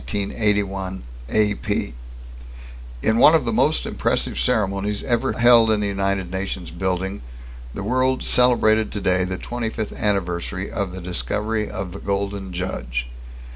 June 16, 1981 (AP) In one of the most impressive ceremonies ever held in the United Nations building, the world celebrated today the 25th anniversary of the discovery of the "Golden Judge."